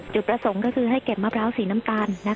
จุดประสงค์ก็คือให้เก็บมะพร้าวสีน้ำตาล